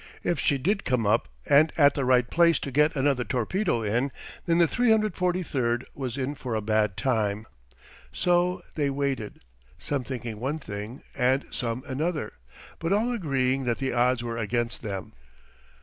If she did come up and at the right place to get another torpedo in, then the 343 was in for a bad time. So they waited, some thinking one thing, and some another, but all agreeing that the odds were against them.